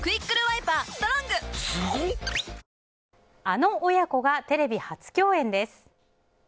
あの親子がテレビ初共演です。